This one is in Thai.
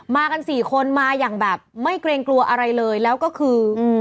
กันสี่คนมาอย่างแบบไม่เกรงกลัวอะไรเลยแล้วก็คืออืม